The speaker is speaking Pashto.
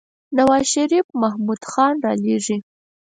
نوازشريف محمود خان رالېږي.